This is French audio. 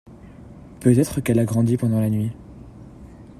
peut-être qu'elle a grandi pendant la nuit.